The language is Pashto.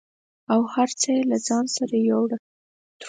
او هر څه یې د ځان سره یووړه